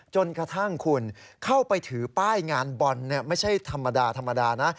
จนกระทั่งคุณเข้าไปถือป้ายงานบอลไม่ใช่ธรรมดาธรรมดานะ